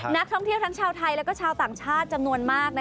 นักท่องเที่ยวทั้งชาวไทยและชาวต่างชาติจำนวนมาก